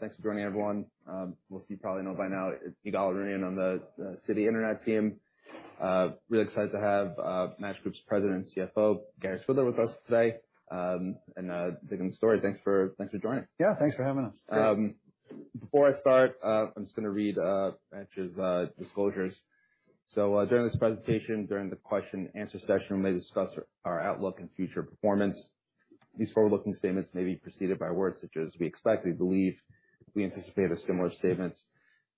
Thanks for joining everyone. Most of you probably know by now, it's Idan Rinon on the Citi Internet team. Really excited to have Match Group's President and CFO, Gary Swidler, with us today. And digging the story. Thanks for joining. Yeah, thanks for having us. Before I start, I'm just gonna read Match's disclosures. So, during this presentation, during the question and answer session, we may discuss our outlook and future performance. These forward-looking statements may be preceded by words such as we expect, we believe, we anticipate, or similar statements.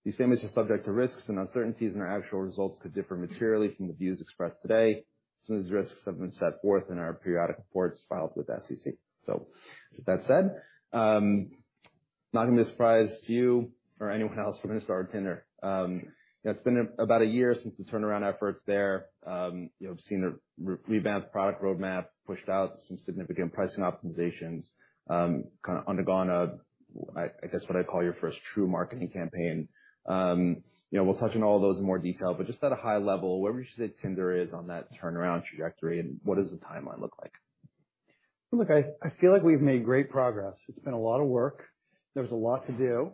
These statements are subject to risks and uncertainties, and our actual results could differ materially from the views expressed today, so these risks have been set forth in our periodic reports filed with the SEC. So with that said, not gonna surprise you or anyone else, we're gonna start with Tinder. It's been about a year since the turnaround efforts there. You know, we've seen a revamped product roadmap, pushed out some significant pricing optimizations, kinda undergone a, I guess, what I'd call your first true marketing campaign. You know, we'll touch on all those in more detail, but just at a high level, where would you say Tinder is on that turnaround trajectory, and what does the timeline look like? Look, I feel like we've made great progress. It's been a lot of work. There's a lot to do.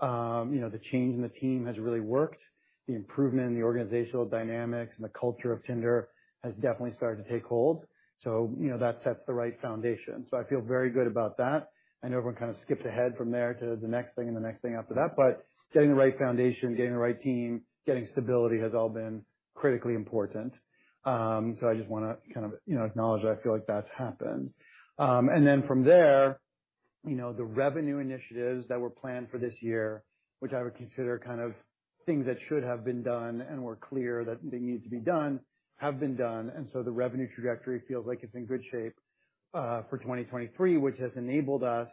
You know, the change in the team has really worked. The improvement in the organizational dynamics and the culture of Tinder has definitely started to take hold, so you know, that sets the right foundation. So I feel very good about that. I know everyone kind of skipped ahead from there to the next thing and the next thing after that, but getting the right foundation, getting the right team, getting stability has all been critically important. So I just wanna kind of, you know, acknowledge that I feel like that's happened. And then from there, you know, the revenue initiatives that were planned for this year, which I would consider kind of things that should have been done and were clear that they needed to be done, have been done, and so the revenue trajectory feels like it's in good shape, for 2023, which has enabled us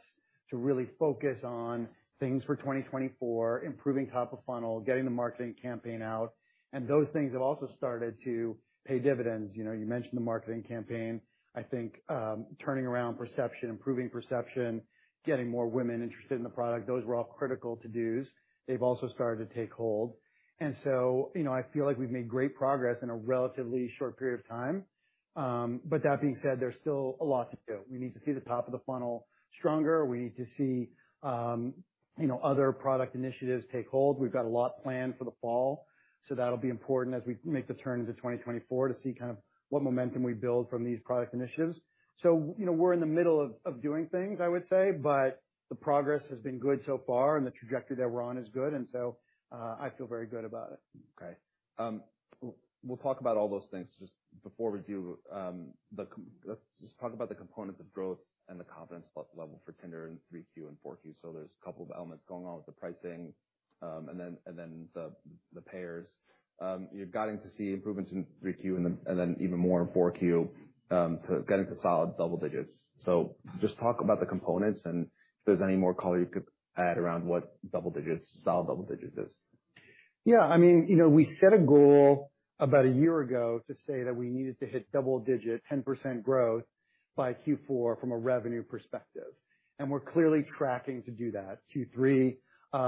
to really focus on things for 2024, improving top of funnel, getting the marketing campaign out, and those things have also started to pay dividends. You know, you mentioned the marketing campaign. I think, turning around perception, improving perception, getting more women interested in the product, those were all critical to-dos. They've also started to take hold. And so, you know, I feel like we've made great progress in a relatively short period of time. But that being said, there's still a lot to do. We need to see the top of the funnel stronger. We need to see, you know, other product initiatives take hold. We've got a lot planned for the fall, so that'll be important as we make the turn into 2024 to see kind of what momentum we build from these product initiatives. So, you know, we're in the middle of doing things, I would say, but the progress has been good so far, and the trajectory that we're on is good, and so, I feel very good about it. Okay. We'll talk about all those things. Just before we do, let's just talk about the components of growth and the confidence level for Tinder in 3Q and 4Q. So there's a couple of elements going on with the pricing, and then the payers. You're guiding to see improvements in 3Q and then even more in 4Q, so getting to solid double digits. So just talk about the components and if there's any more color you could add around what double digits, solid double digits is. Yeah, I mean, you know, we set a goal about a year ago to say that we needed to hit double digits, 10% growth by Q4 from a revenue perspective, and we're clearly tracking to do that. Q3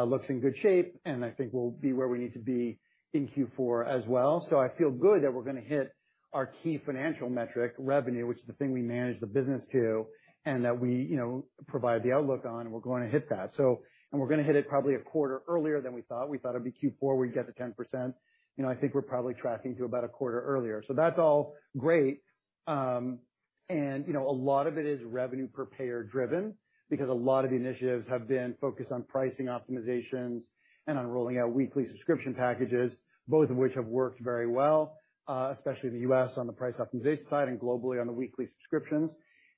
looks in good shape, and I think we'll be where we need to be in Q4 as well. So I feel good that we're gonna hit our key financial metric, revenue, which is the thing we manage the business to, and that we, you know, provide the outlook on, and we're going to hit that. And we're gonna hit it probably a quarter earlier than we thought. We thought it'd be Q4, we'd get to 10%. You know, I think we're probably tracking to about a quarter earlier. So that's all great, and you know, a lot of it is revenue per payer driven, because a lot of the initiatives have been focused on pricing optimizations and on rolling out weekly subscription packages, both of which have worked very well, especially in the US, on the price optimization side and globally on the weekly subscriptions.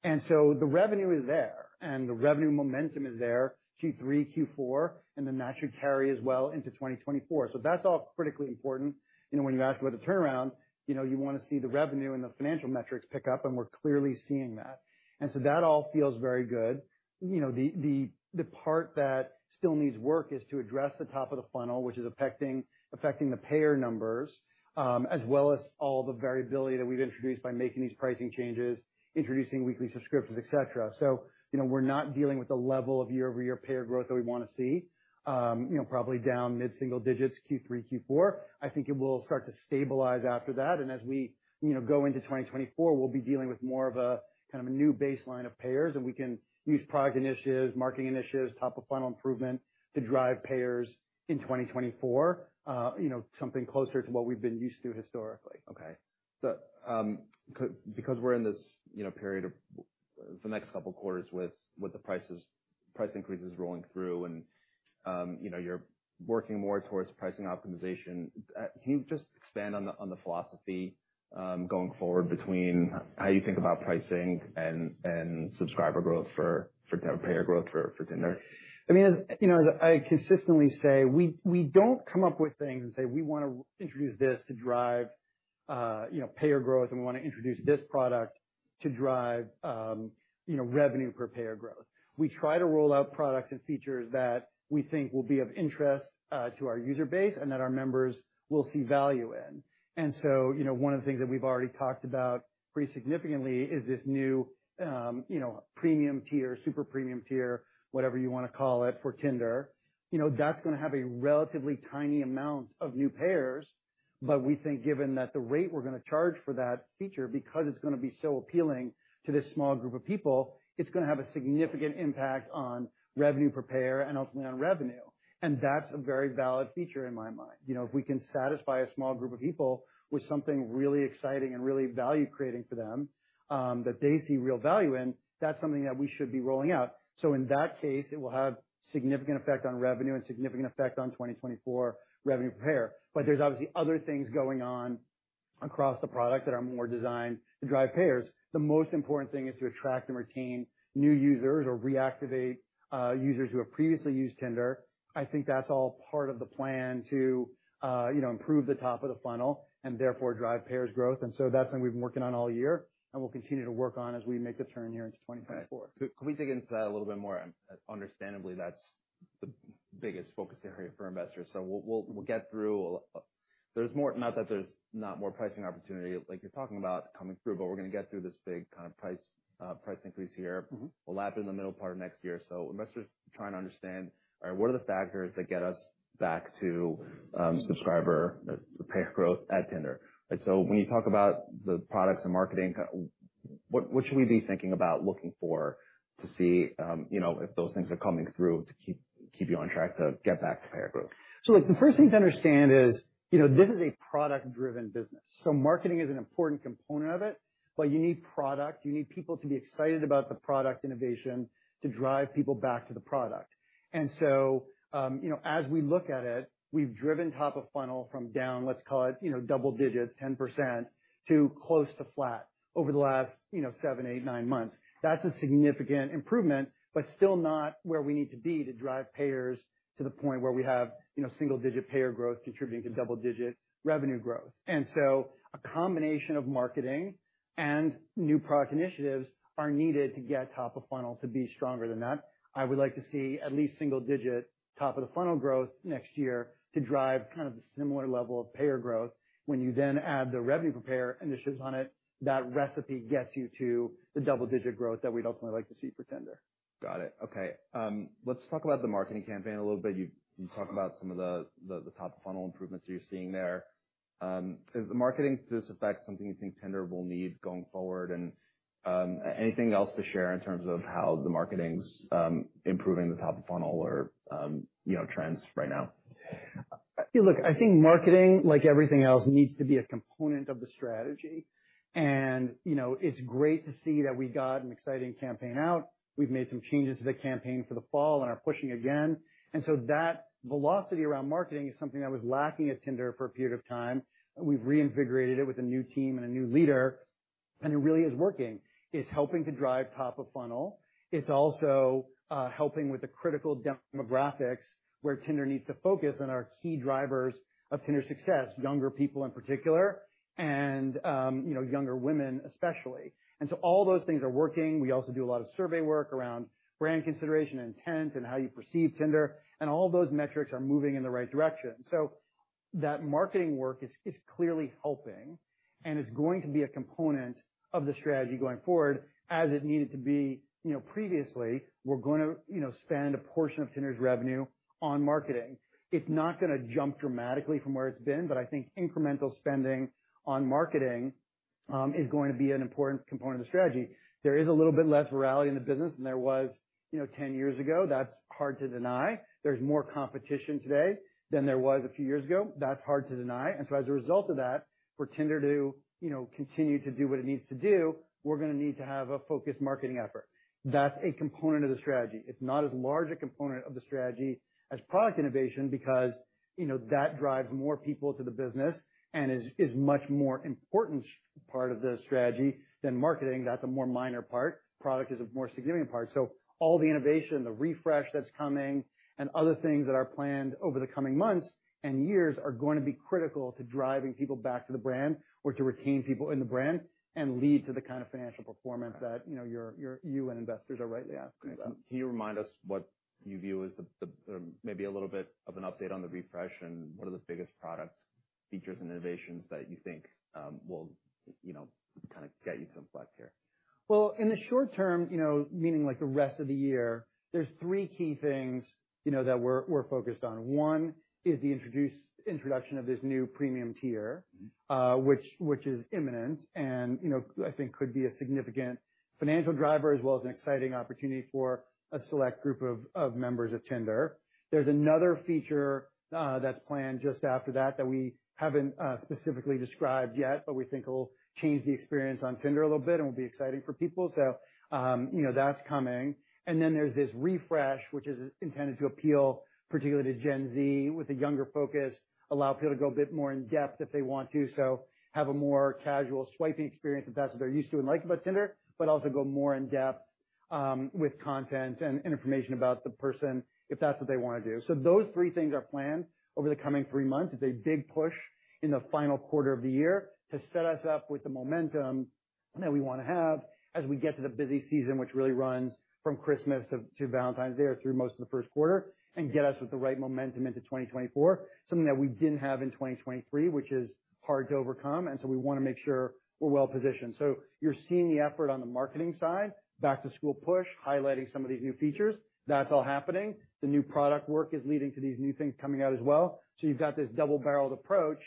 And so the revenue is there, and the revenue momentum is there, Q3, Q4, and then that should carry as well into 2024. So that's all critically important. You know, when you ask about the turnaround, you know, you wanna see the revenue and the financial metrics pick up, and we're clearly seeing that. And so that all feels very good. You know, the part that still needs work is to address the top of the funnel, which is affecting the payer numbers, as well as all the variability that we've introduced by making these pricing changes, introducing weekly subscriptions, et cetera. So, you know, we're not dealing with the level of year-over-year payer growth that we wanna see. You know, probably down mid-single digits, Q3, Q4. I think it will start to stabilize after that, and as we, you know, go into 2024, we'll be dealing with more of a kind of a new baseline of payers, and we can use product initiatives, marketing initiatives, top of funnel improvement to drive payers in 2024. You know, something closer to what we've been used to historically. Okay. Because we're in this, you know, period of the next couple of quarters with the prices, price increases rolling through and, you know, you're working more towards pricing optimization, can you just expand on the philosophy going forward between how you think about pricing and subscriber growth for payer growth for Tinder? I mean, as you know, as I consistently say, we, we don't come up with things and say: We wanna introduce this to drive, you know, payer growth, and we wanna introduce this product to drive, you know, revenue per payer growth. We try to roll out products and features that we think will be of interest, to our user base and that our members will see value in. And so, you know, one of the things that we've already talked about pretty significantly is this new, you know, premium tier, super premium tier, whatever you wanna call it, for Tinder. You know, that's gonna have a relatively tiny amount of new payers-... But we think given that the rate we're going to charge for that feature, because it's going to be so appealing to this small group of people, it's going to have a significant impact on revenue per payer and ultimately on revenue. And that's a very valid feature in my mind. You know, if we can satisfy a small group of people with something really exciting and really value-creating for them, that they see real value in, that's something that we should be rolling out. So in that case, it will have significant effect on revenue and significant effect on 2024 revenue per payer. But there's obviously other things going on across the product that are more designed to drive payers. The most important thing is to attract and retain new users or reactivate users who have previously used Tinder. I think that's all part of the plan to, you know, improve the top of the funnel and therefore drive payers growth. And so that's something we've been working on all year and we'll continue to work on as we make the turn here into 2024. Can we dig into that a little bit more? Understandably, that's the biggest focus area for investors. So we'll get through. There's more, not that there's not more pricing opportunity, like you're talking about coming through, but we're going to get through this big price increase here. Mm-hmm. We'll lap in the middle part of next year. So investors are trying to understand, what are the factors that get us back to subscriber, the payer growth at Tinder? So when you talk about the products and marketing, what should we be thinking about looking for to see, you know, if those things are coming through to keep you on track to get back to payer growth? So the first thing to understand is, you know, this is a product-driven business, so marketing is an important component of it, but you need product, you need people to be excited about the product innovation to drive people back to the product. And so, you know, as we look at it, we've driven top of funnel from down, let's call it, you know, double digits, 10%, to close to flat over the last, you know, 7, 8, 9 months. That's a significant improvement, but still not where we need to be to drive payers to the point where we have, you know, single-digit payer growth contributing to double-digit revenue growth. And so a combination of marketing and new product initiatives are needed to get top of funnel to be stronger than that. I would like to see at least single-digit top of the funnel growth next year to drive kind of a similar level of payer growth. When you then add the revenue per payer initiatives on it, that recipe gets you to the double-digit growth that we'd ultimately like to see for Tinder. Got it. Okay, let's talk about the marketing campaign a little bit. You talked about some of the top funnel improvements you're seeing there. Is the marketing to this effect something you think Tinder will need going forward? And, anything else to share in terms of how the marketing's improving the top of funnel or, you know, trends right now? Look, I think marketing, like everything else, needs to be a component of the strategy. You know, it's great to see that we got an exciting campaign out. We've made some changes to the campaign for the fall and are pushing again. So that velocity around marketing is something that was lacking at Tinder for a period of time. We've reinvigorated it with a new team and a new leader, and it really is working. It's helping to drive top of funnel. It's also helping with the critical demographics where Tinder needs to focus on our key drivers of Tinder success, younger people in particular, and you know, younger women especially. So all those things are working. We also do a lot of survey work around brand consideration and intent and how you perceive Tinder, and all those metrics are moving in the right direction. So that marketing work is clearly helping and is going to be a component of the strategy going forward as it needed to be, you know, previously. We're going to, you know, spend a portion of Tinder's revenue on marketing. It's not going to jump dramatically from where it's been, but I think incremental spending on marketing is going to be an important component of the strategy. There is a little bit less virality in the business than there was, you know, 10 years ago. That's hard to deny. There's more competition today than there was a few years ago. That's hard to deny. And so as a result of that, for Tinder to, you know, continue to do what it needs to do, we're going to need to have a focused marketing effort. That's a component of the strategy. It's not as large a component of the strategy as product innovation, because, you know, that drives more people to the business and is much more important part of the strategy than marketing. That's a more minor part. Product is a more significant part. So all the innovation, the refresh that's coming, and other things that are planned over the coming months and years are going to be critical to driving people back to the brand or to retain people in the brand and lead to the kind of financial performance that, you know, you and investors are rightly asking about. Can you remind us what you view as the maybe a little bit of an update on the refresh and what are the biggest products, features, and innovations that you think will, you know, kind of get you some flex here? Well, in the short term, you know, meaning like the rest of the year, there's three key things, you know, that we're focused on. One is the introduction of this new premium tier, which is imminent and, you know, I think could be a significant financial driver as well as an exciting opportunity for a select group of members of Tinder. There's another feature that's planned just after that, that we haven't specifically described yet, but we think it'll change the experience on Tinder a little bit and will be exciting for people. So, you know, that's coming. And then there's this refresh, which is intended to appeal particularly to Gen Z with a younger focus, allow people to go a bit more in-depth if they want to, so have a more casual swiping experience if that's what they're used to and like about Tinder, but also go more in-depth, with content and information about the person, if that's what they want to do. So those three things are planned over the coming three months. It's a big push in the final quarter of the year to set us up with the momentum that we want to have as we get to the busy season, which really runs from Christmas to, to Valentine's Day or through most of the Q1, and get us with the right momentum into 2024, something that we didn't have in 2023, which is hard to overcome, and so we want to make sure we're well positioned. So you're seeing the effort on the marketing side, back-to-school push, highlighting some of these new features. That's all happening. The new product work is leading to these new things coming out as well. So you've got this double-barreled approach,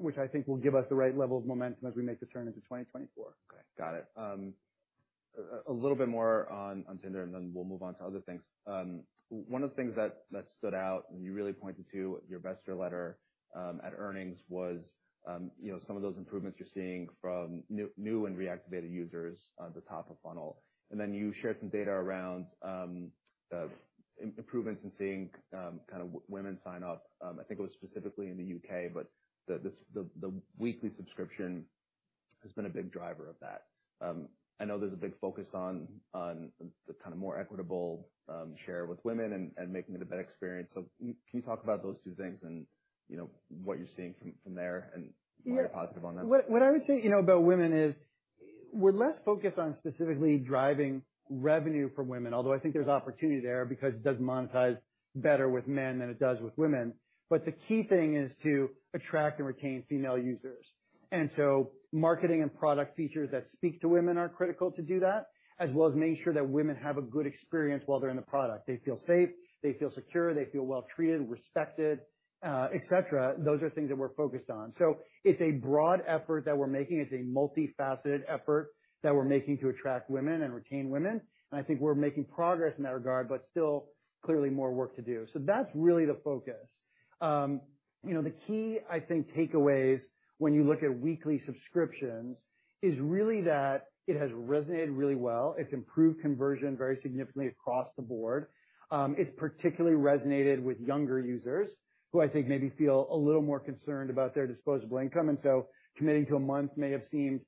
which I think will give us the right level of momentum as we make the turn into 2024.... Got it. A little bit more on Tinder, and then we'll move on to other things. One of the things that stood out, and you really pointed to your investor letter at earnings was, you know, some of those improvements you're seeing from new and reactivated users at the top of funnel. And then you shared some data around the improvements in seeing kind of women sign up. I think it was specifically in the UK, but the weekly subscription has been a big driver of that. I know there's a big focus on the kind of more equitable share with women and making it a better experience. So can you talk about those two things and, you know, what you're seeing from there and- Yeah. More positive on them? What I would say, you know, about women is we're less focused on specifically driving revenue from women, although I think there's opportunity there because it does monetize better with men than it does with women. But the key thing is to attract and retain female users. And so marketing and product features that speak to women are critical to do that, as well as making sure that women have a good experience while they're in the product. They feel safe, they feel secure, they feel well treated, respected, et cetera. Those are things that we're focused on. So it's a broad effort that we're making. It's a multifaceted effort that we're making to attract women and retain women, and I think we're making progress in that regard, but still clearly more work to do. So that's really the focus. You know, the key, I think, takeaways when you look at weekly subscriptions is really that it has resonated really well. It's improved conversion very significantly across the board. It's particularly resonated with younger users, who I think maybe feel a little more concerned about their disposable income, and so committing to a month may have seemed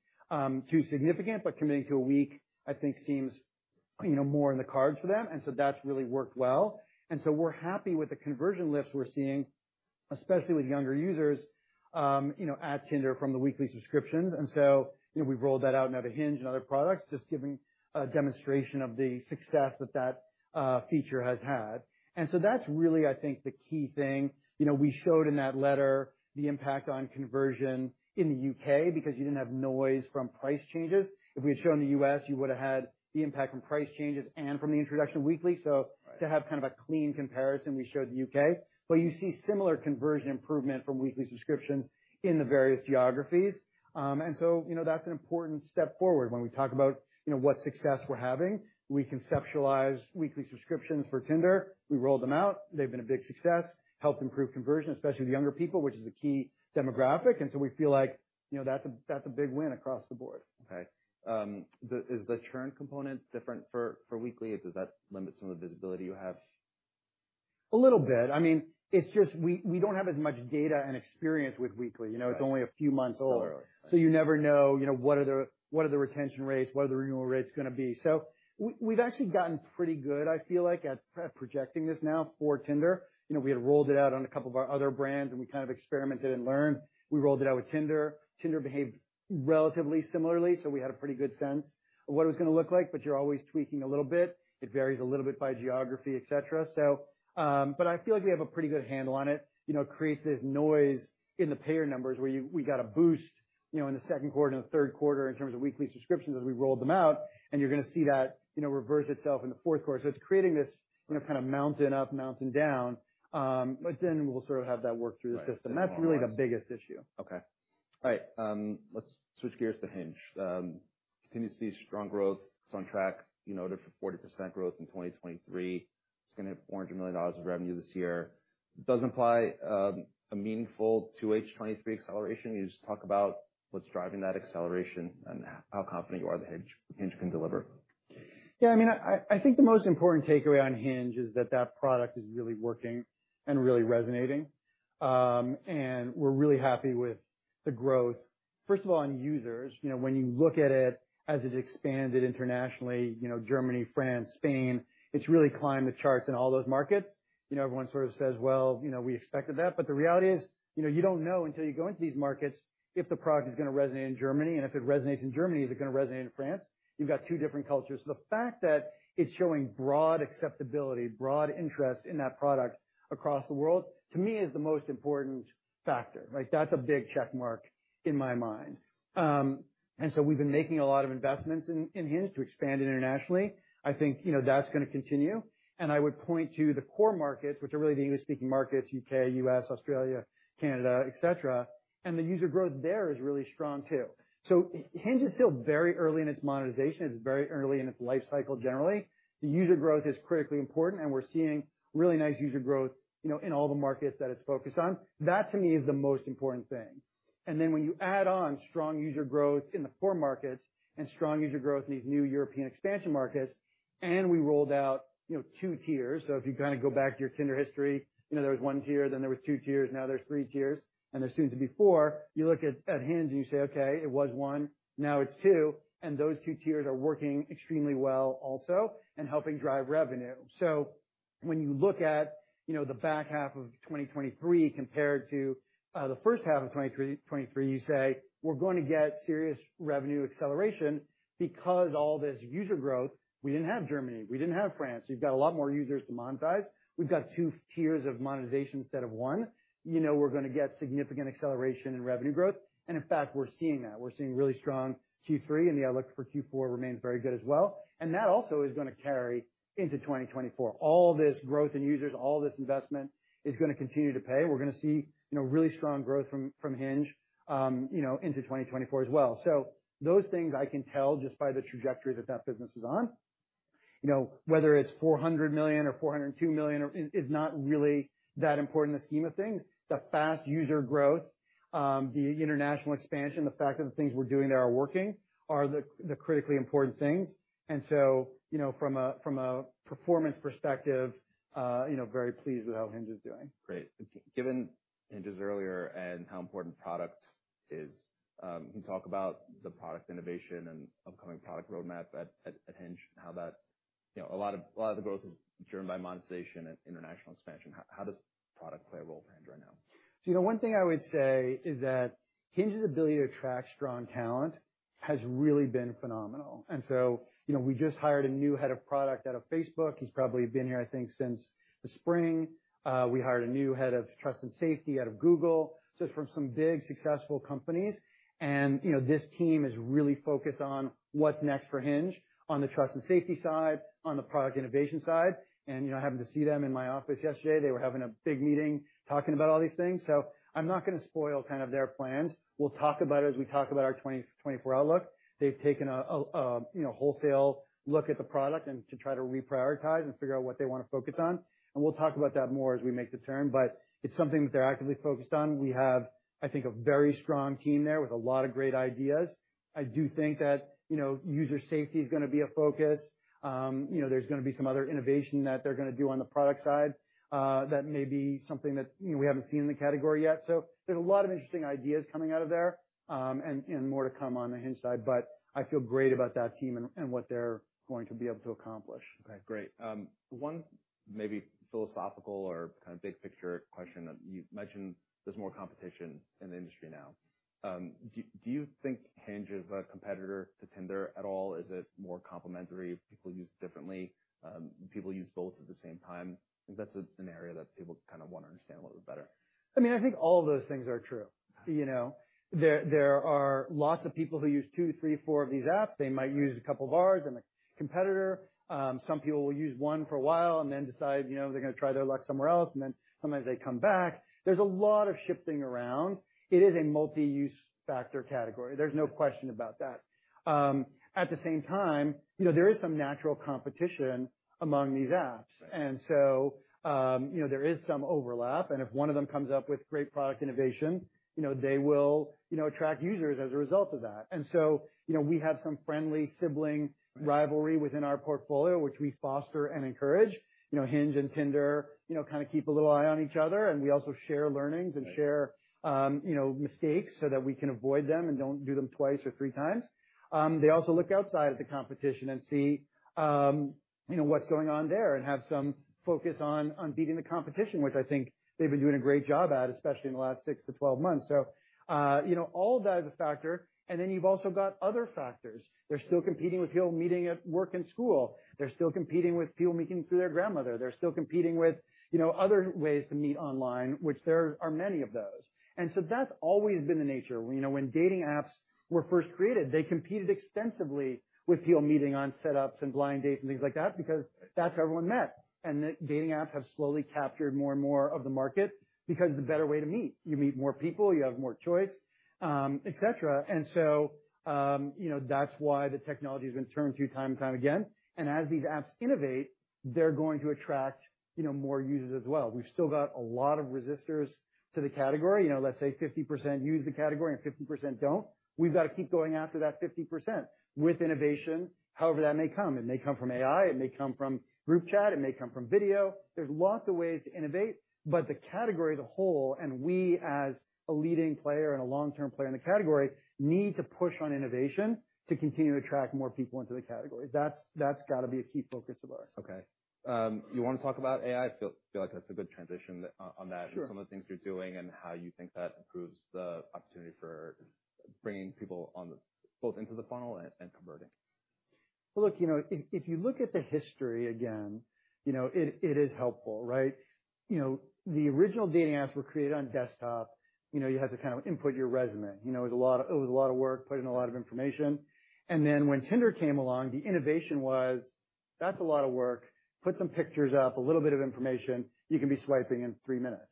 too significant, but committing to a week, I think, seems, you know, more in the cards for them. And so that's really worked well. And so we're happy with the conversion lifts we're seeing, especially with younger users, you know, at Tinder from the weekly subscriptions. And so, you know, we've rolled that out now to Hinge and other products, just giving a demonstration of the success that that feature has had. And so that's really, I think, the key thing. You know, we showed in that letter the impact on conversion in the U.K. because you didn't have noise from price changes. If we had shown the U.S., you would have had the impact from price changes and from the introduction of weekly. Right. So to have kind of a clean comparison, we showed the U.K. But you see similar conversion improvement from weekly subscriptions in the various geographies. And so, you know, that's an important step forward when we talk about, you know, what success we're having. We conceptualize weekly subscriptions for Tinder. We rolled them out. They've been a big success, helped improve conversion, especially the younger people, which is a key demographic. And so we feel like, you know, that's a, that's a big win across the board. Okay. Is the churn component different for weekly, or does that limit some of the visibility you have? A little bit. I mean, it's just we don't have as much data and experience with weekly. Right. You know, it's only a few months old. Sure. So you never know, you know, what are the retention rates? What are the renewal rates going to be? So we, we've actually gotten pretty good, I feel like, at projecting this now for Tinder. You know, we had rolled it out on a couple of our other brands, and we kind of experimented and learned. We rolled it out with Tinder. Tinder behaved relatively similarly, so we had a pretty good sense of what it was going to look like, but you're always tweaking a little bit. It varies a little bit by geography, et cetera. So, but I feel like we have a pretty good handle on it. You know, it creates this noise in the payer numbers, where we got a boost, you know, in the Q2 and the Q3 in terms of weekly subscriptions as we rolled them out, and you're going to see that, you know, reverse itself in the Q4. So it's creating this, you know, kind of mountain up, mountain down, but then we'll sort of have that work through the system. Right. That's really the biggest issue. Okay. All right, let's switch gears to Hinge. Continue to see strong growth. It's on track, you know, to 40% growth in 2023. It's going to hit $400 million of revenue this year. Does imply a meaningful 2H 2023 acceleration. Can you just talk about what's driving that acceleration and how confident you are that Hinge, Hinge can deliver? Yeah, I mean, I think the most important takeaway on Hinge is that that product is really working and really resonating. And we're really happy with the growth, first of all, on users. You know, when you look at it as it expanded internationally, you know, Germany, France, Spain, it's really climbed the charts in all those markets. You know, everyone sort of says, "Well, you know, we expected that." But the reality is, you know, you don't know until you go into these markets, if the product is going to resonate in Germany, and if it resonates in Germany, is it going to resonate in France? You've got two different cultures. So the fact that it's showing broad acceptability, broad interest in that product across the world, to me, is the most important factor. Like, that's a big check mark in my mind. So we've been making a lot of investments in Hinge to expand it internationally. I think, you know, that's going to continue. I would point to the core markets, which are really the U.S.-speaking markets, U.K., U.S., Australia, Canada, etc., and the user growth there is really strong, too. So Hinge is still very early in its monetization. It's very early in its life cycle, generally. The user growth is critically important, and we're seeing really nice user growth, you know, in all the markets that it's focused on. That, to me, is the most important thing. Then when you add on strong user growth in the core markets and strong user growth in these new European expansion markets, and we rolled out, you know, two tiers. So if you kind of go back to your Tinder history, you know, there was one tier, then there was two tiers, now there's three tiers, and there soon to be four. You look at Hinge, and you say, "Okay, it was one, now it's two." And those two tiers are working extremely well also and helping drive revenue. So when you look at, you know, the back half of 2023 compared to the first half of 2023, you say: We're going to get serious revenue acceleration because all this user growth, we didn't have Germany, we didn't have France. We've got a lot more users to monetize. We've got two tiers of monetization instead of one. You know, we're going to get significant acceleration in revenue growth. And in fact, we're seeing that. We're seeing really strong Q3, and the outlook for Q4 remains very good as well. And that also is going to carry into 2024. All this growth in users, all this investment, is going to continue to pay. We're going to see, you know, really strong growth from Hinge, you know, into 2024 as well. So those things I can tell just by the trajectory that that business is on. You know, whether it's 400 million or 402 million is not really that important in the scheme of things. The fast user growth, the international expansion, the fact that the things we're doing there are working, are the critically important things. And so, you know, from a performance perspective, you know, very pleased with how Hinge is doing. Great. Given Hinge's earlier and how important product is, can you talk about the product innovation and upcoming product roadmap at Hinge? How that, you know, a lot of the growth is driven by monetization and international expansion. How does product play a role for Hinge right now? So, you know, one thing I would say is that Hinge's ability to attract strong talent has really been phenomenal. And so, you know, we just hired a new head of product out of Facebook. He's probably been here, I think, since the spring. We hired a new head of trust and safety out of Google, so from some big, successful companies. And, you know, this team is really focused on what's next for Hinge on the trust and safety side, on the product innovation side, and, you know, I happened to see them in my office yesterday. They were having a big meeting talking about all these things. So I'm not gonna spoil kind of their plans. We'll talk about it as we talk about our 2024 outlook. They've taken a you know, wholesale look at the product and to try to reprioritize and figure out what they want to focus on. We'll talk about that more as we make the turn, but it's something that they're actively focused on. We have, I think, a very strong team there with a lot of great ideas. I do think that, you know, user safety is gonna be a focus. You know, there's gonna be some other innovation that they're gonna do on the product side, that may be something that, you know, we haven't seen in the category yet. There's a lot of interesting ideas coming out of there, and more to come on the Hinge side, but I feel great about that team and what they're going to be able to accomplish. Okay, great. One maybe philosophical or kind of big picture question that you've mentioned, there's more competition in the industry now. Do you think Hinge is a competitor to Tinder at all? Is it more complementary? People use differently, people use both at the same time. I think that's a scenario that people kind of want to understand a little bit better. I mean, I think all of those things are true. You know, there are lots of people who use two, three, four of these apps. They might use a couple of ours and a competitor. Some people will use one for a while and then decide, you know, they're gonna try their luck somewhere else, and then sometimes they come back. There's a lot of shifting around. It is a multi-use factor category. There's no question about that. At the same time, you know, there is some natural competition among these apps, and so, you know, there is some overlap, and if one of them comes up with great product innovation, you know, they will, you know, attract users as a result of that. And so, you know, we have some friendly sibling rivalry within our portfolio, which we foster and encourage. You know, Hinge and Tinder, you know, kind of keep a little eye on each other, and we also share learnings and share, you know, mistakes so that we can avoid them and don't do them twice or three times. They also look outside of the competition and see, you know, what's going on there and have some focus on beating the competition, which I think they've been doing a great job at, especially in the last 6-12 months. So, you know, all of that is a factor, and then you've also got other factors. They're still competing with people meeting at work and school. They're still competing with people meeting through their grandmother. They're still competing with, you know, other ways to meet online, which there are many of those. And so that's always been the nature. You know, when dating apps were first created, they competed extensively with people meeting on setups and blind dates and things like that because that's how everyone met. And the dating apps have slowly captured more and more of the market because it's a better way to meet. You meet more people, you have more choice, et cetera. And so, you know, that's why the technology has been turned to time and time again. And as these apps innovate, they're going to attract, you know, more users as well. We've still got a lot of resistors to the category. You know, let's say 50% use the category and 50% don't. We've got to keep going after that 50%. With innovation, however, that may come. It may come from AI, it may come from group chat, it may come from video. There's lots of ways to innovate, but the category as a whole, and we as a leading player and a long-term player in the category, need to push on innovation to continue to attract more people into the category. That's, that's got to be a key focus of ours. Okay. You want to talk about AI? I feel like that's a good transition on that. Sure. Some of the things you're doing and how you think that improves the opportunity for bringing people on both into the funnel and, and converting. Well, look, you know, if you look at the history again, you know, it is helpful, right? You know, the original dating apps were created on desktop. You know, you had to kind of input your resume. You know, it was a lot, it was a lot of work, put in a lot of information. And then when Tinder came along, the innovation was, that's a lot of work. Put some pictures up, a little bit of information, you can be swiping in three minutes.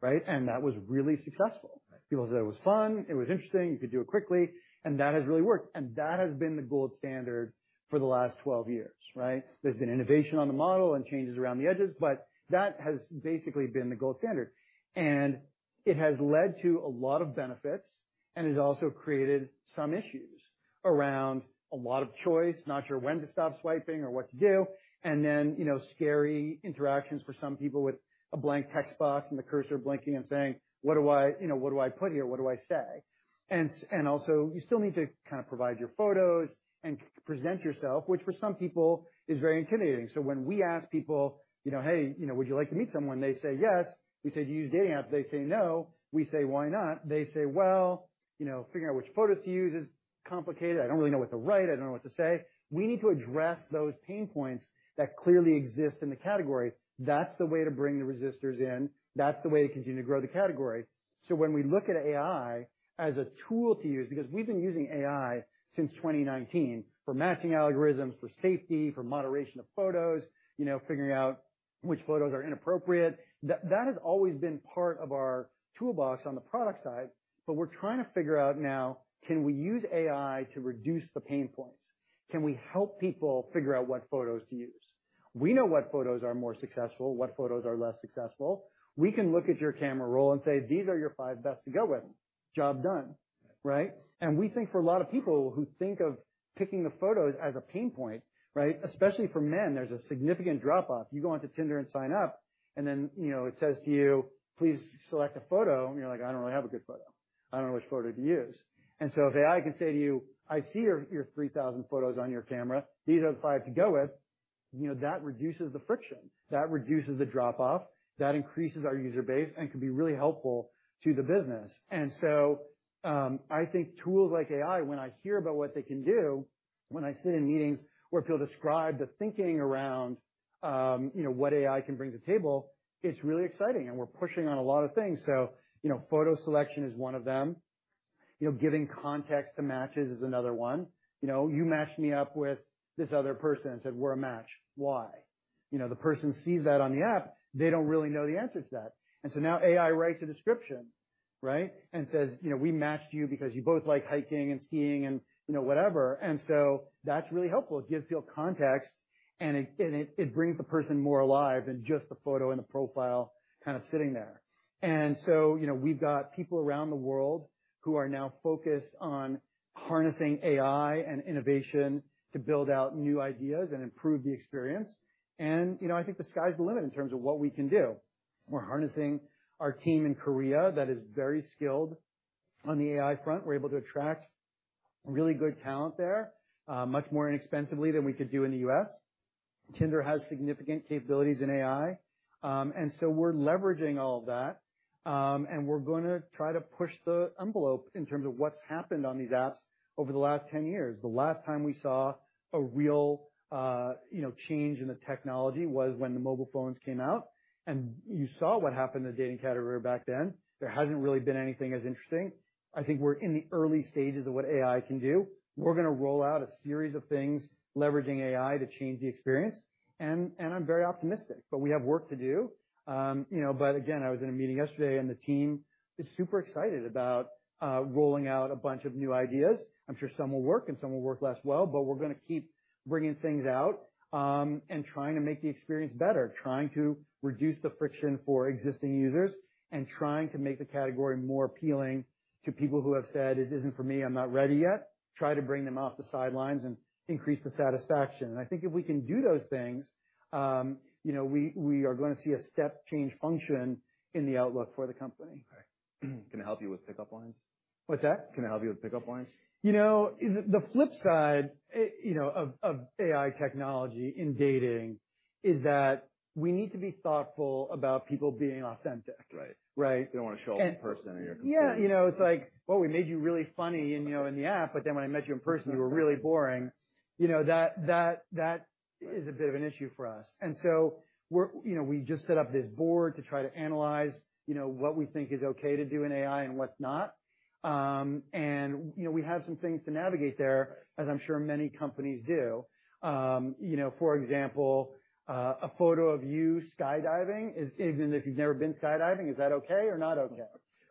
Right. Right? And that was really successful. Right. People said it was fun, it was interesting, you could do it quickly, and that has really worked. And that has been the gold standard for the last 12 years, right? There's been innovation on the model and changes around the edges, but that has basically been the gold standard. And it has led to a lot of benefits, and it has also created some issues around a lot of choice, not sure when to stop swiping or what to do, and then, you know, scary interactions for some people with a blank text box and the cursor blinking and saying: What do I, you know, what do I put here? What do I say? And also, you still need to kind of provide your photos and present yourself,.which for some people is very intimidating. So when we ask people, you know, "Hey, you know, would you like to meet someone?" They say, "Yes." We say, "Do you use dating apps?" They say, "No." We say, "Why not?" They say, "Well, you know, figuring out which photos to use is complicated. I don't really know what to write. I don't know what to say." We need to address those pain points that clearly exist in the category. That's the way to bring the resistors in. That's the way to continue to grow the category. So when we look at AI as a tool to use, because we've been using AI since 2019 for matching algorithms, for safety, for moderation of photos, you know, figuring out which photos are inappropriate. That has always been part of our toolbox on the product side, but we're trying to figure out now, can we use AI to reduce the pain points? Can we help people figure out what photos to use? We know what photos are more successful, what photos are less successful. We can look at your camera roll and say, "These are your five best to go with." Job done, right? And we think for a lot of people who think of picking the photos as a pain point, right, especially for men, there's a significant drop off. You go onto Tinder and sign up, and then, you know, it says to you, "Please select a photo," and you're like: I don't really have a good photo. I don't know which photo to use. And so if AI can say to you, "I see your, your 3,000 photos on your camera. These are the five to go with," you know, that reduces the friction, that reduces the drop off, that increases our user base and can be really helpful to the business. And so, I think tools like AI, when I hear about what they can do, when I sit in meetings where people describe the thinking around, you know, what AI can bring to the table, it's really exciting, and we're pushing on a lot of things. So, you know, photo selection is one of them. You know, giving context to matches is another one. You know, you matched me up with this other person and said, we're a match. Why? You know, the person sees that on the app, they don't really know the answer to that. And so now AI writes a description, right, and says, you know, "We matched you because you both like hiking and skiing" and, you know, whatever. And so that's really helpful. It gives people context, and it brings the person more alive than just the photo and the profile kind of sitting there. And so, you know, we've got people around the world who are now focused on harnessing AI and innovation to build out new ideas and improve the experience. And, you know, I think the sky's the limit in terms of what we can do. We're harnessing our team in Korea that is very skilled on the AI front. We're able to attract really good talent there, much more inexpensively than we could do in the US. Tinder has significant capabilities in AI. And so we're leveraging all of that, and we're gonna try to push the envelope in terms of what's happened on these apps over the last 10 years. The last time we saw a real, you know, change in the technology was when the mobile phones came out, and you saw what happened in the dating category back then. There hasn't really been anything as interesting. I think we're in the early stages of what AI can do. We're gonna roll out a series of things leveraging AI to change the experience, and, and I'm very optimistic, but we have work to do. You know, but again, I was in a meeting yesterday, and the team is super excited about, rolling out a bunch of new ideas. I'm sure some will work and some will work less well, but we're gonna keep bringing things out, and trying to make the experience better, trying to reduce the friction for existing users, and trying to make the category more appealing to people who have said, "It isn't for me. I'm not ready yet." Try to bring them off the sidelines and increase the satisfaction. And I think if we can do those things, you know, we are gonna see a step change function in the outlook for the company. Right. Can it help you with pickup lines? What's that? Can it help you with pickup lines? You know, the flip side, you know, of AI technology in dating is that we need to be thoughtful about people being authentic. Right. Right. They don't want to show up in person and you're completely- Yeah, you know, it's like, well, we made you really funny in, you know, in the app, but then when I met you in person, you were really boring. You know, that, that, that is a bit of an issue for us. And so we're, you know, we just set up this board to try to analyze, you know, what we think is okay to do in AI and what's not. And, you know, we have some things to navigate there, as I'm sure many companies do. You know, for example, a photo of you skydiving is, even if you've never been skydiving, is that okay or not okay? Yeah.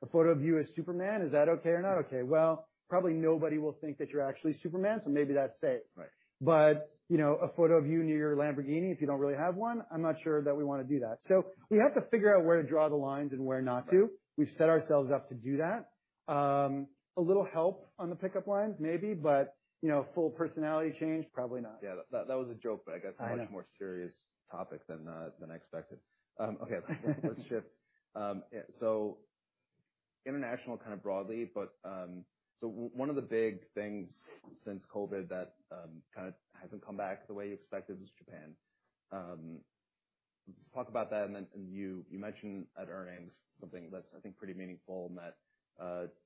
A photo of you as Superman, is that okay or not okay? Well, probably nobody will think that you're actually Superman, so maybe that's safe. Right. You know, a photo of you in your Lamborghini, if you don't really have one, I'm not sure that we wanna do that. We have to figure out where to draw the lines and where not to. Right. We've set ourselves up to do that. A little help on the pickup lines, maybe, but, you know, full personality change, probably not. Yeah, that was a joke, but I guess- I know... a much more serious topic than, than I expected. Okay, let's shift. So international, kind of broadly, but, so one of the big things since COVID that, kind of hasn't come back the way you expected is Japan. Let's talk about that, and then, and you, you mentioned at earnings something that's I think, pretty meaningful, and that,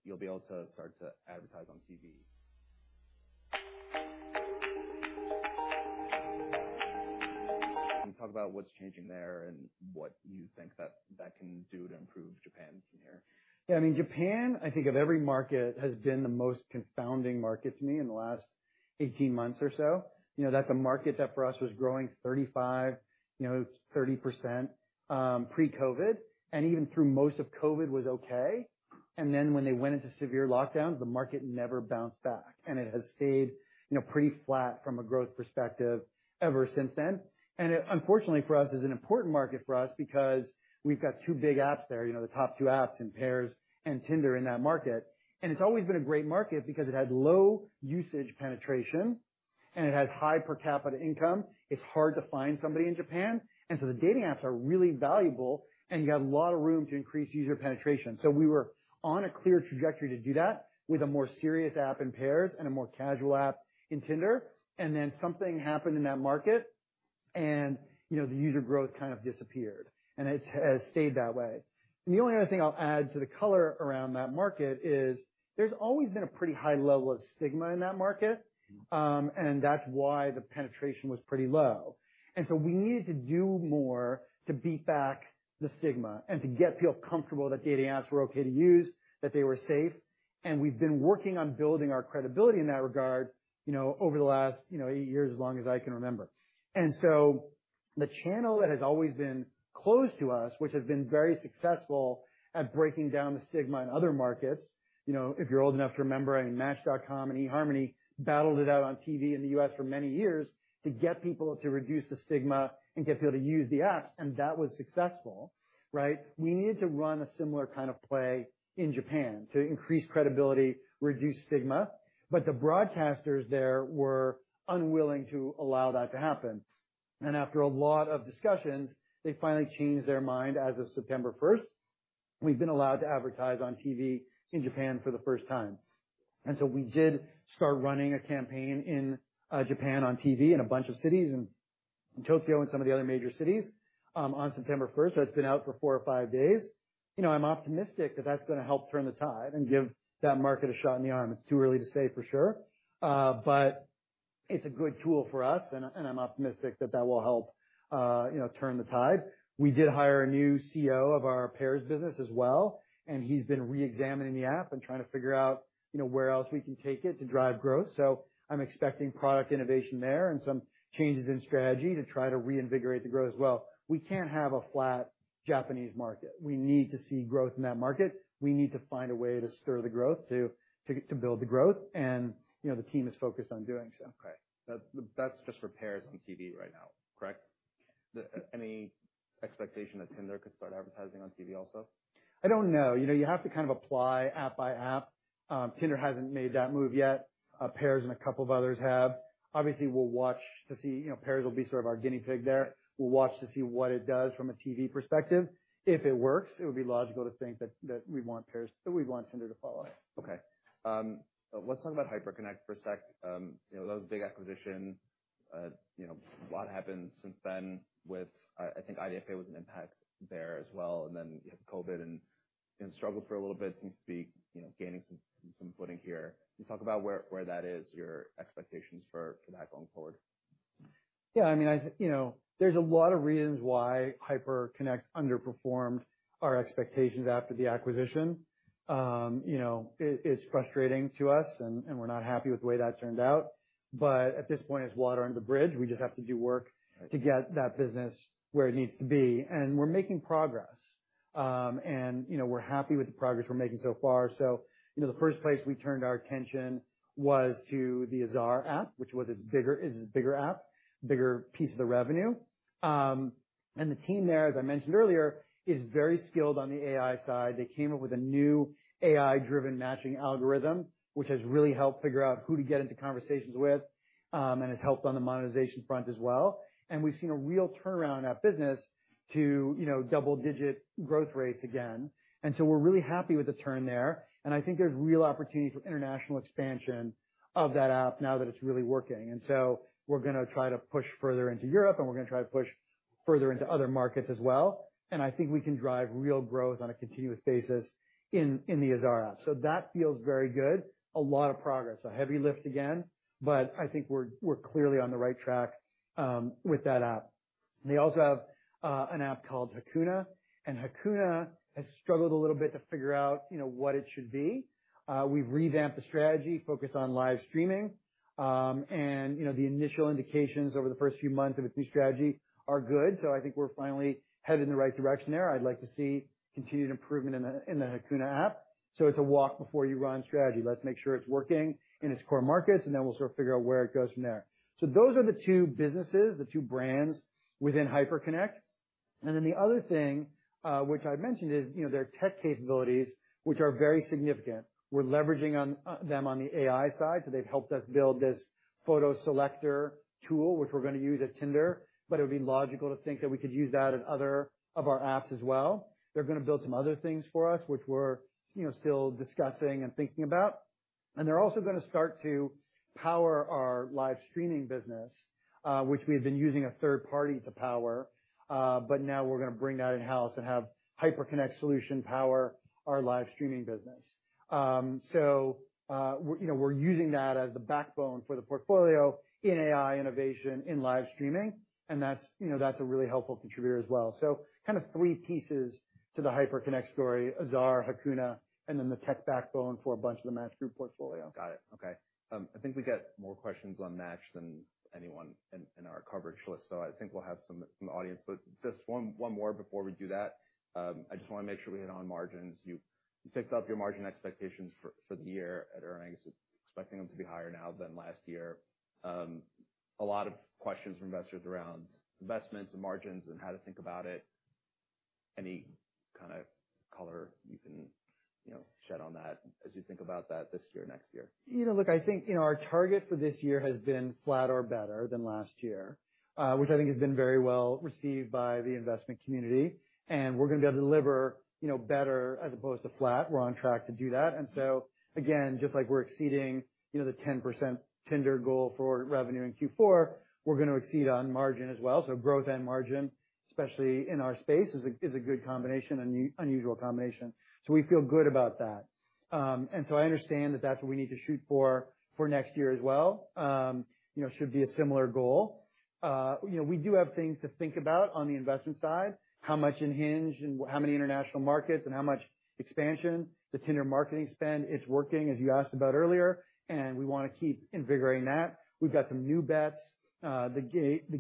you'll be able to start to advertise on TV. Can you talk about what's changing there and what you think that, that can do to improve Japan from here? Yeah, I mean, Japan, I think of every market, has been the most confounding market to me in the last 18 months or so. You know, that's a market that for us, was growing 35, you know, 30%, pre-COVID, and even through most of COVID was okay. And then when they went into severe lockdowns, the market never bounced back, and it has stayed, you know, pretty flat from a growth perspective ever since then. And it, unfortunately for us, is an important market for us because we've got two big apps there, you know, the top two apps in Pairs and Tinder in that market. And it's always been a great market because it had low usage penetration, and it had high per capita income. It's hard to find somebody in Japan, and so the dating apps are really valuable, and you have a lot of room to increase user penetration. So we were on a clear trajectory to do that with a more serious app in Pairs and a more casual app in Tinder. And then something happened in that market, and, you know, the user growth kind of disappeared, and it has stayed that way. The only other thing I'll add to the color around that market is there's always been a pretty high level of stigma in that market, and that's why the penetration was pretty low. And so we needed to do more to beat back the stigma and to get people comfortable that dating apps were okay to use, that they were safe. and we've been working on building our credibility in that regard, you know, over the last, you know, eight years, as long as I can remember. And so the channel that has always been closed to us, which has been very successful at breaking down the stigma in other markets, you know, if you're old enough to remember, I mean, Match.com and eHarmony battled it out on TV in the U.S. for many years to get people to reduce the stigma and get people to use the apps, and that was successful, right? We needed to run a similar kind of play in Japan to increase credibility, reduce stigma, but the broadcasters there were unwilling to allow that to happen. And after a lot of discussions, they finally changed their mind as of September first. We've been allowed to advertise on TV in Japan for the first time. And so we did start running a campaign in Japan, on TV in a bunch of cities, in Tokyo and some of the other major cities, on September first. So it's been out for four or five days. You know, I'm optimistic that that's going to help turn the tide and give that market a shot in the arm. It's too early to say for sure, but it's a good tool for us, and and I'm optimistic that that will help, you know, turn the tide. We did hire a new CEO of our Pairs business as well, and he's been reexamining the app and trying to figure out, you know, where else we can take it to drive growth. So I'm expecting product innovation there and some changes in strategy to try to reinvigorate the growth as well. We can't have a flat Japanese market. We need to see growth in that market. We need to find a way to stir the growth, to build the growth, and, you know, the team is focused on doing so. Okay. That's, that's just for Pairs on TV right now, correct? Then, any expectation that Tinder could start advertising on TV also? I don't know. You know, you have to kind of apply app by app. Tinder hasn't made that move yet. Pairs and a couple of others have. Obviously, we'll watch to see, you know, Pairs will be sort of our guinea pig there. We'll watch to see what it does from a TV perspective. If it works, it would be logical to think that, that we want Pairs- that we'd want Tinder to follow it. Okay, let's talk about Hyperconnect for a sec. You know, that was a big acquisition. You know, a lot happened since then with, I think, IDFA was an impact there as well, and then you had COVID and struggled for a little bit. Seems to be, you know, gaining some footing here. Can you talk about where that is, your expectations for that going forward? Yeah, I mean, you know, there's a lot of reasons why Hyperconnect underperformed our expectations after the acquisition. You know, it's frustrating to us, and we're not happy with the way that turned out, but at this point, it's water under the bridge. We just have to do work- Right... to get that business where it needs to be. And we're making progress. And, you know, we're happy with the progress we're making so far. So, you know, the first place we turned our attention was to the Azar app, which was its bigger, is its bigger app, bigger piece of the revenue. And the team there, as I mentioned earlier, is very skilled on the AI side. They came up with a new AI-driven matching algorithm, which has really helped figure out who to get into conversations with, and has helped on the monetization front as well. And we've seen a real turnaround in that business to, you know, double-digit growth rates again. And so we're really happy with the turn there, and I think there's real opportunity for international expansion of that app now that it's really working. And so we're going to try to push further into Europe, and we're going to try to push further into other markets as well. And I think we can drive real growth on a continuous basis in the Azar app. So that feels very good. A lot of progress, a heavy lift again, but I think we're clearly on the right track with that app. They also have an app called Hakuna, and Hakuna has struggled a little bit to figure out, you know, what it should be. We've revamped the strategy, focused on live streaming, and, you know, the initial indications over the first few months of its new strategy are good, so I think we're finally headed in the right direction there. I'd like to see continued improvement in the Hakuna app, so it's a walk before you run strategy. Let's make sure it's working in its core markets, and then we'll sort of figure out where it goes from there. So those are the two businesses, the two brands within Hyperconnect. And then the other thing, which I mentioned is, you know, their tech capabilities, which are very significant. We're leveraging on them on the AI side, so they've helped us build this photo selector tool, which we're going to use at Tinder, but it would be logical to think that we could use that at other of our apps as well. They're going to build some other things for us, which we're, you know, still discussing and thinking about. And they're also going to start to power our live streaming business, which we've been using a third party to power. But now we're going to bring that in-house and have Hyperconnect solution power our live streaming business. So, we're, you know, we're using that as the backbone for the portfolio in AI innovation, in live streaming, and that's, you know, that's a really helpful contributor as well. So kind of three pieces to the Hyperconnect story: Azar, Hakuna, and then the tech backbone for a bunch of the Match Group portfolio. Got it. Okay. I think we got more questions on Match than anyone in our coverage list, so I think we'll have some from the audience, but just one more before we do that. I just want to make sure we hit on margins. You ticked up your margin expectations for the year at earnings, expecting them to be higher now than last year. A lot of questions from investors around investments and margins and how to think about it. Any kind of color you can, you know, shed on that as you think about that this year, next year? You know, look, I think, you know, our target for this year has been flat or better than last year, which I think has been very well received by the investment community, and we're going to be able to deliver, you know, better as opposed to flat. We're on track to do that. And so again, just like we're exceeding, you know, the 10% Tinder goal for revenue in Q4, we're going to exceed on margin as well. So growth and margin, especially in our space, is a good combination, unusual combination. So we feel good about that. And so I understand that that's what we need to shoot for for next year as well. You know, should be a similar goal. You know, we do have things to think about on the investment side, how much in Hinge and how many international markets, and how much expansion. The Tinder marketing spend is working, as you asked about earlier, and we wanna keep invigorating that. We've got some new bets, the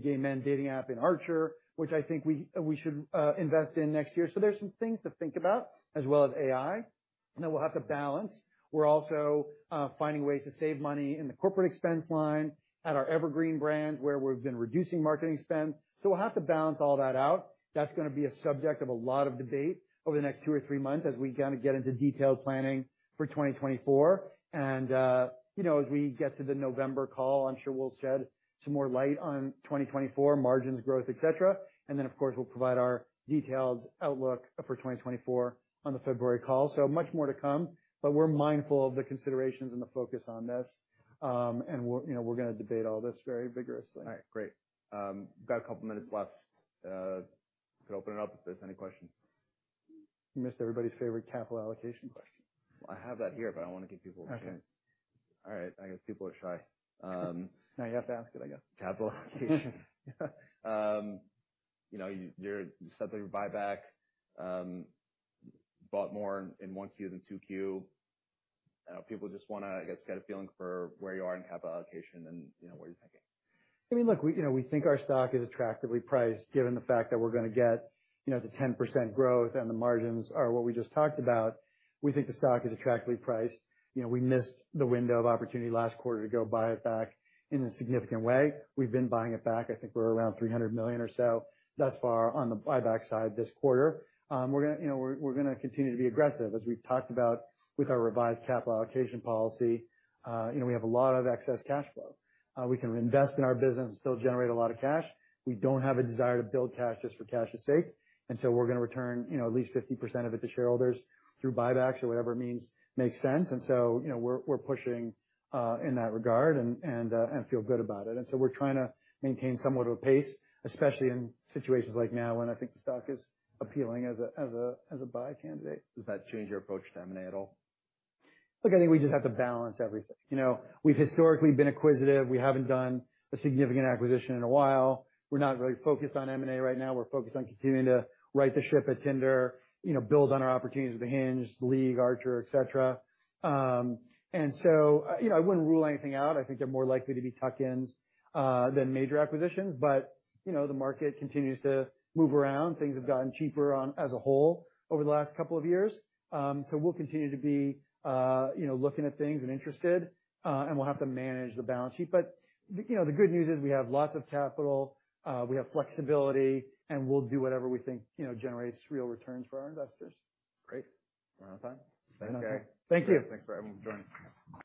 gay men dating app in Archer, which I think we should invest in next year. So there's some things to think about, as well as AI, and then we'll have to balance. We're also finding ways to save money in the corporate expense line at our Evergreen brand, where we've been reducing marketing spend. So we'll have to balance all that out. That's gonna be a subject of a lot of debate over the next two or three months as we kinda get into detailed planning for 2024. And, you know, as we get to the November call, I'm sure we'll shed some more light on 2024 margins, growth, et cetera. And then, of course, we'll provide our detailed outlook for 2024 on the February call. So much more to come, but we're mindful of the considerations and the focus on this. And we're, you know, we're gonna debate all this very vigorously. All right, great. Got a couple of minutes left. Could open it up if there's any questions? You missed everybody's favorite capital allocation question. I have that here, but I wanna give people a chance. Okay. All right. I guess people are shy. Now you have to ask it, I guess. Capital allocation. You know, you're-- you said buyback, bought more in 1Q than 2Q. I know people just wanna, I guess, get a feeling for where you are in capital allocation and, you know, what you're thinking. I mean, look, we, you know, we think our stock is attractively priced, given the fact that we're gonna get, you know, the 10% growth and the margins are what we just talked about. We think the stock is attractively priced. You know, we missed the window of opportunity last quarter to go buy it back in a significant way. We've been buying it back. I think we're around $300 million or so thus far on the buyback side this quarter. We're gonna, you know, we're, we're gonna continue to be aggressive, as we've talked about with our revised capital allocation policy. You know, we have a lot of excess cash flow. We can invest in our business and still generate a lot of cash. We don't have a desire to build cash just for cash's sake, and so we're gonna return, you know, at least 50% of it to shareholders through buybacks or whatever means makes sense. And so, you know, we're, we're pushing in that regard and feel good about it. And so we're trying to maintain somewhat of a pace, especially in situations like now, when I think the stock is appealing as a buy candidate. Does that change your approach to M&A at all? Look, I think we just have to balance everything. You know, we've historically been acquisitive. We haven't done a significant acquisition in a while. We're not really focused on M&A right now. We're focused on continuing to right the ship at Tinder, you know, build on our opportunities with the Hinge, The League, Archer, et cetera. And so, you know, I wouldn't rule anything out. I think they're more likely to be tuck-ins than major acquisitions, but, you know, the market continues to move around. Things have gotten cheaper on as a whole over the last couple of years. So we'll continue to be, you know, looking at things and interested, and we'll have to manage the balance sheet. You know, the good news is we have lots of capital, we have flexibility, and we'll do whatever we think, you know, generates real returns for our investors. Great. We're out of time. Okay. Thank you. Thanks for everyone joining.